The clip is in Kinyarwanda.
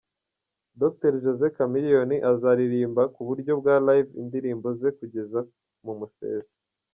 Dr Josee Chameleone azaririmba ku buryo bwa Live indirimbo ze kugeza mu museso.